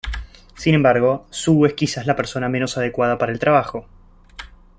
Sin embargo, Sue es quizás la persona menos adecuada para el trabajo.